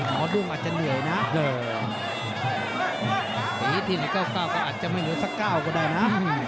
หมอดุ้งอาจจะเหนื่อยนะเหรอทีนี้เก้าเก้าก็อาจจะไม่เหลือสักเก้าก็ได้น่ะ